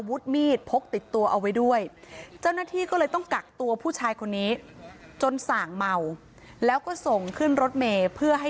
รถเมย์เพื่อให้เดินทางกลับบ้านค่ะเดินไปจากทางนู้นอ่ะ